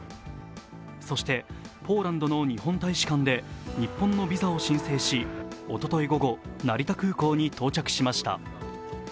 そして、ポーランドの日本大使館で日本のビザを申請し、おととい午後、成田空港に到着しました。